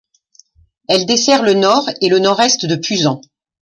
Elle dessert le nord et le nord-est de Pusan.